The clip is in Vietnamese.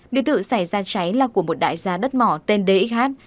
biệt thự xảy ra cháy là của một đại gia đất mỏ tên đế í khát